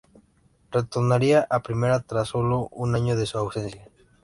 Retornaría a Primera tras solo un año de ausencia.